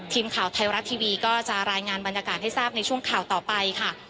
ทีมข่าวไทยรัฐทีวีก็จะรายงานบรรยากาศให้ทราบในช่วงข่าวต่อไปค่ะ